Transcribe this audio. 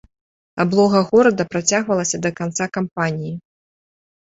Аблога горада працягвалася да канца кампаніі.